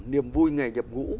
niềm vui ngày nhập ngũ